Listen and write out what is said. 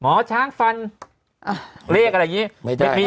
หมอช้างฟันเลขอะไรอย่างนี้